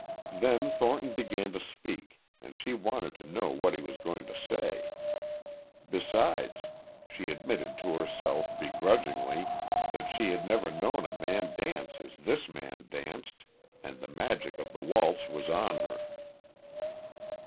Then Thornton began to speak and she wanted to know what he was going to say. Besides, she admitted to herself, begrudgingly, that she had never known a man dance as this man danced, and the magic of the waltz was on her.